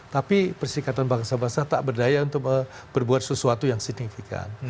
tapi perserikatan bangsa bangsa tak berdaya untuk berbuat sesuatu yang signifikan